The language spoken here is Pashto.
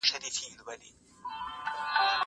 هغه وويل چي ځواب سم دی!؟